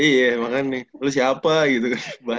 iya makanya nih lu siapa gitu kan bayar lah